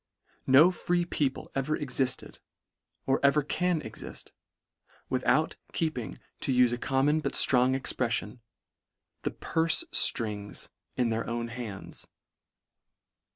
No free people ever exifted, or ever can exift, without, keeping, to ufe a common but ftrong expreffion, " the purfe fixings" in their own hands.